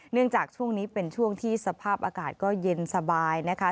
จากช่วงนี้เป็นช่วงที่สภาพอากาศก็เย็นสบายนะคะ